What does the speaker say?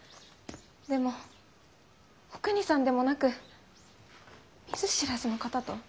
でもおくにさんでもなく見ず知らずの方と。